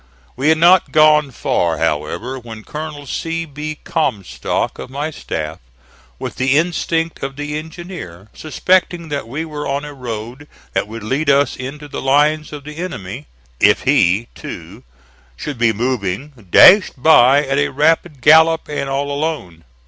We had not gone far, however, when Colonel C. B. Comstock, of my staff, with the instinct of the engineer, suspecting that we were on a road that would lead us into the lines of the enemy, if he, too, should be moving, dashed by at a rapid gallop and all alone.